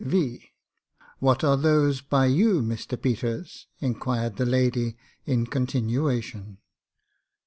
«< Ye; what are those by you, Mr Peters ?" inquired the lady in continuation.